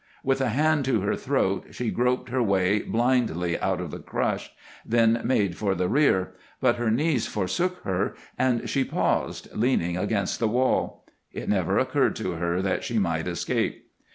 With a hand to her throat she groped her way blindly out of the crush, then made for the rear, but her knees forsook her and she paused, leaning against the wall. It never occurred to her that she might escape.